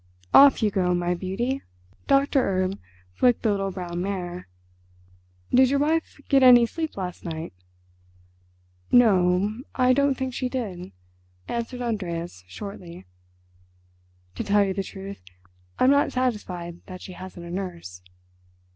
"Off you go, my beauty." Doctor Erb flicked the little brown mare. "Did your wife get any sleep last night?" "No; I don't think she did," answered Andreas shortly. "To tell you the truth, I'm not satisfied that she hasn't a nurse."